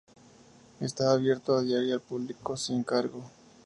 Está abierto a diario al público sin cargo.